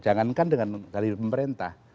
jangankan dari pemerintah